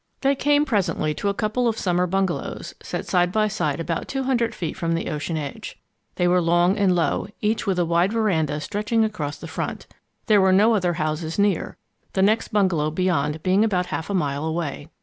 They came presently to a couple of summer bungalows set side by side about two hundred feet from the ocean edge. They were long and low, each with a wide veranda stretching across the front. There were no other houses near, the next bungalow beyond being about half a mile away.